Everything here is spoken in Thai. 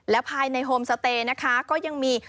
และภายในโฮมสเตย์นะคะก็ยังมี